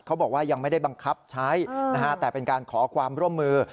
บอกว่ายังไม่ได้บังคับใช้นะฮะแต่เป็นการขอความร่วมมือ